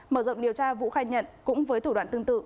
mở rộng điều tra vũ khai nhận cũng với thủ đoạn tương tự